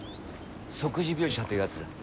即時描写というやつだ。